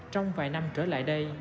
trong vài năm trở lại đây